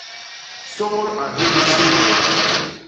Sôgôl a nhémb hiséé.